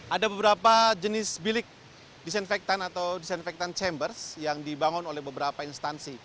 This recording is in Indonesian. ada beberapa jenis bilik disinfektan atau disinfektan chambers yang dibangun oleh beberapa instansi